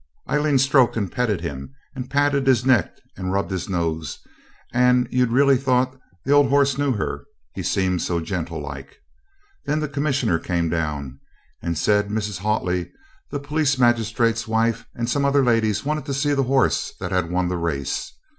Aileen stroked and petted him and patted his neck and rubbed his nose, and you'd raly thought the old horse knew her, he seemed so gentle like. Then the Commissioner came down and said Mrs. Hautley, the police magistrate's wife, and some other ladies wanted to see the horse that had won the race.